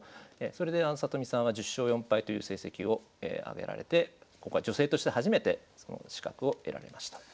それで里見さんは１０勝４敗という成績を挙げられて女性として初めてその資格を得られました。